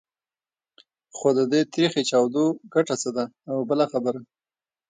خو د دې تریخې چاودو ګټه څه ده؟ او بله خبره.